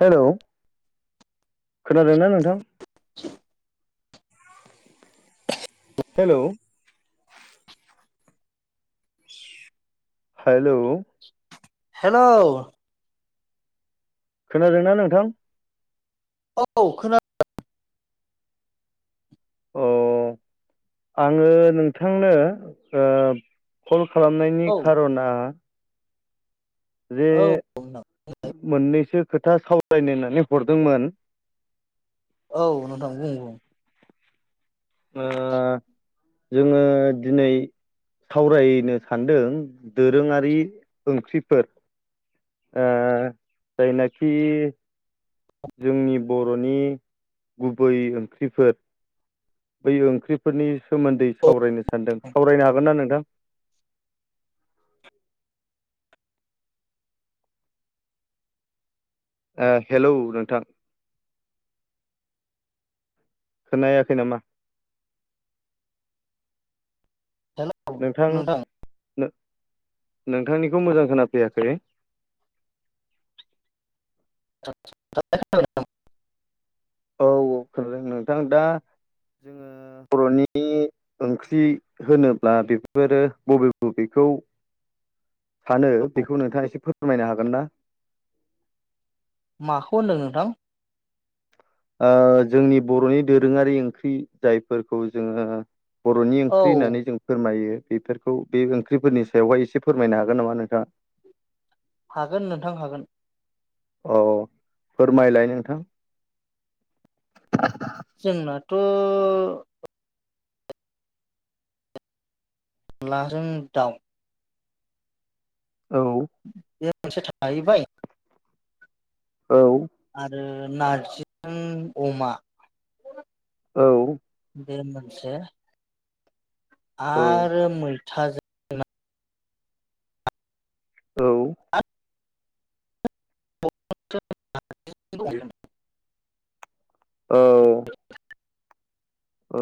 Hello खोनादोंना नोंथां? [inaudible] Hello hello hello खोनादोंना नोंथां? औ खोनादों। अह आङो नोंथांनो ओ खालामनायनि औ खार'ना। जे औ मोननैसो खोथा सावरायनो ना नो हरदोंमोन। औ नोंथां बुं बुं। ओ जोङो दिनै सावरायनो सानदों दोरोङारि ओंख्रिफोर। ओ जायनाखि जोंनि बर'नि गुबै ओंख्रिफोर। बै ओंख्रिफोरनि सोमोन्दै सावरायनो। सानदों सावरायनो हागोन ना नोंथां। ओ हेलौ नोंथां। खोनायाखै नामा? हेलौ नोंथां। नोंथांनिखौ मोजां खोनाफैयाखै। [inaudible] औ औ खोनादों नोंथां दा जोङो बर'नि ओंख्रि होनोब्ला बेफोरो बबे बबेखौ सानो बेखौ नोंथाङा एसे फोरमायनो हागोन ना? माखौ होनदों नोंथां? ओ जोंनि बर'नि दोरोङारि ओंख्रि जायफोरखौ जोङो बर'नि औ ओंख्रि होननानै जों फोरमायो। बेफोरखौ बे ओंख्रिफोरनि सायावहाय एसे फोरमायनो हागोन नामा नोंथाङा हागोन नोंथां हागोन। औ फोरमायलाय नोंथां थ' अनलाजों दाउ औ बे मोनसे थाहैबाय औ नारजि अमा औ बे मोनसे औ आरो मैथाजों ना औ [unintelligible] औ। औ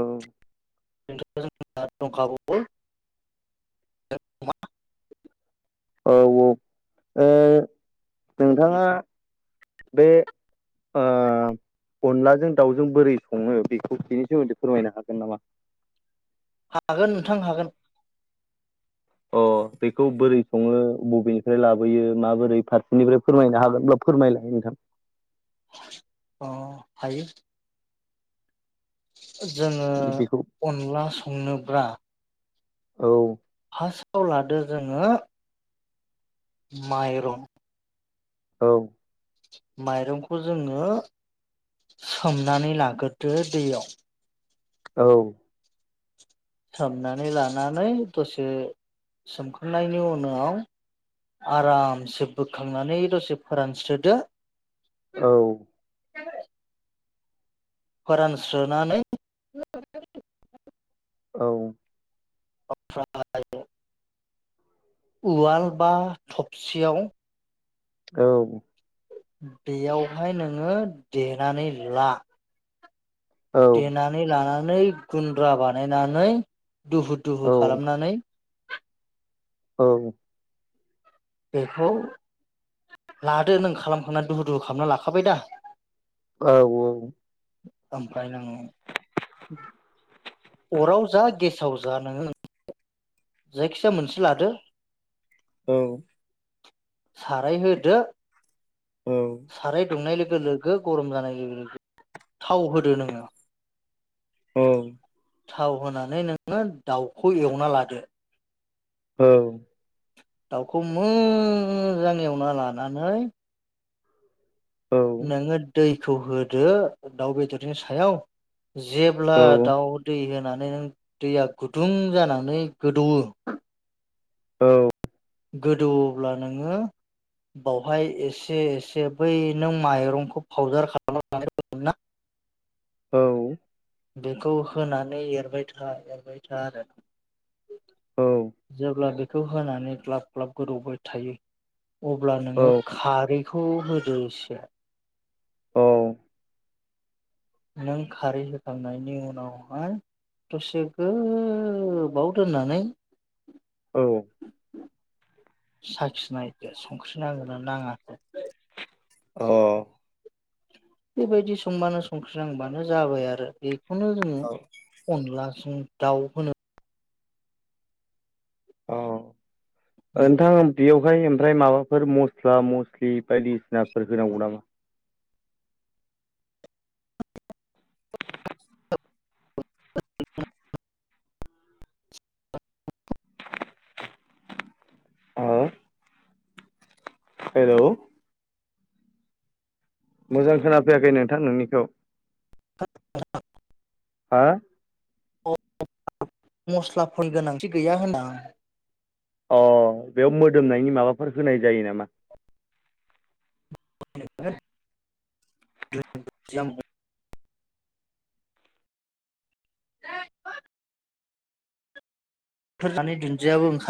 दंखाबावो औ औ नोंथाङा बे ओं। अनलाजों दाउजों बोरै सङो बेखौ बेनि सोमोन्दै फोरमायनो हागोन नामा हागोन नोंथां हागोन अ बेखौ बोरै सङो बबेनिफ्राय लाबोयो माबोरै फारसेनिफ्राय फोरमायनो हागोनब्लाा फोरमायला नोंथां अ हायो जोङो बेखौ अनला संनोब्ला औ फार्स्टआव लादो जोङो माइरं औ माइरंखौ जोङो सोमनानै लाग्रोदो दैयाव औ। सोमनानै लानानै दसे सोमखांनायनि उनाव आरामसे बोखांनानै दसे फोरानस्रोदो औ फोरान स्रोनानै औ अ [unintelligible] उवाल बा थबसियाव औ। बेयावहाय नोङो देनानै ला औ देनानै लानानै गुन्द्रा बानायनानै दुहु औ दुहु खालामनानै औ बेखौ लादो नों खालामखांनानै दुहु दुहु खालामना लाखाबाय दा औ औ ओमफ्राय नोङो अराव जा गेसाव जा नोङो जायखिजाया मोनसे लादो औ साराय होदो औ साराय दुंनाय लोगो लोगो गरम जानाय लोगो लोगो थाव होदो नोङो औ थाव होनानै नोङो दाउखौ एवना लादो। औ दाउखौ मोजां एवना लानानै नोङो दैखौ होदो दाउ बेदरनि सायाव जेब्ला दाउ दै होना नै नों दैया गुदुं जानानै गोदौओ औ गोदौवोब्ला नोङो बावहाय एसे एसे बै नों माइरंखौ फाउदार खालामनानै दोनदोंना औ बेखौ होनानै एरबाय था एरबाय था आरो जेब्ला बेखौ होनानै ग्लाब ग्लाब गोदौबाय थायो अब्ला नोङो खारैखौ होदो इसे। औ नों खारै होखांनायनि उनावहाय दसे गोबाव दोननानै औ साखिनायदो संख्रि नांदोंना नाङाखै। अ बेबायदि संबानो संख्रिनांबानो जाबाय आरो बेखौनो जोङो औ अनला जों दाउ होनो। औ नोंथां बेयाव ओफ्राय ओमफ्राय माबाफोर मस्ला मस्लि बायदिसिनाफोर होनांगौ नामा? [unintelligible] औ हेलौ मोजां खोनाफैयाखै नोंथां नोंनिखौ। [unintelligible] हा? मस्ला [unintelligible] गोनांथि गैया होदों आं अ बेयाव मोदोमनायनि माबाफोर होनाय जायो नामा? [unintelligible] बेफोर जानाय दुन्दियाबो ओंखा